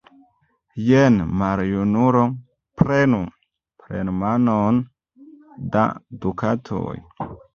Jen, maljunulo, prenu plenmanon da dukatoj!